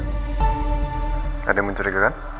gak ada yang mencurigakan